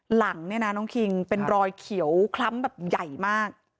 หลังเนี่ยนะน้องคิงเป็นรอยเขียวคล้ำแบบใหญ่มาก